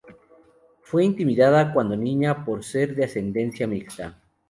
Fue intimidada cuando niña por ser de ascendencia mixta.